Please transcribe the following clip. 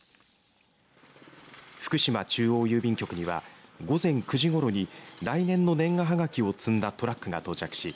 福島中央郵便局には午前９時ごろに来年の年賀はがきを積んだトラックが到着し